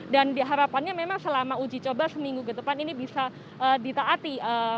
dan diharapannya memang selama uji coba seminggu ke depan ini bisa ditaati